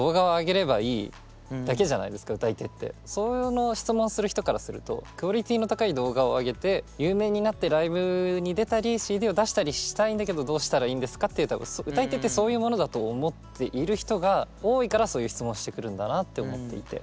その質問する人からすると「クオリティーの高い動画を上げて有名になってライブに出たりＣＤを出したりしたいんだけどどうしたらいいんですか？」っていう多分歌い手ってそういうものだと思っている人が多いからそういう質問してくるんだなって思っていて。